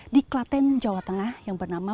di klaten jawa tengah yang bernama